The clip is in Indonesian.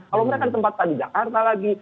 kalau mereka ditempatkan di jakarta lagi